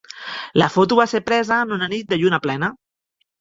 La foto va ser presa en una nit de lluna plena.